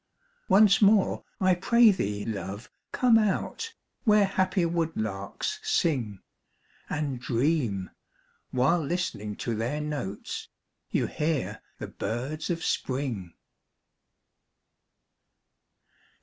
Once more, I pray thee, love, come out, Where happy woodlarks sing, And dream, while listening to their notes, You hear the birds of Spring.